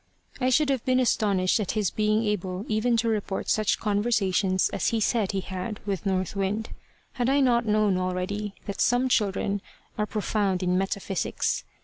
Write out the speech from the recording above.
I should have been astonished at his being able even to report such conversations as he said he had had with North Wind, had I not known already that some children are profound in metaphysics.